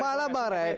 malah pak rai